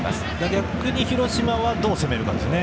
逆に広島はどう攻めるかですね。